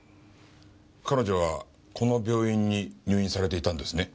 彼女はこの病院に入院されていたんですね？